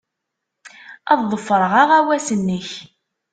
Ad ḍefreɣ aɣawas-nnek.